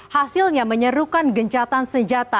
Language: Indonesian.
hasilnya menyerukan gencatan senjata